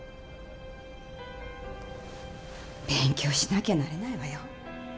勉強しなきゃなれないわよ。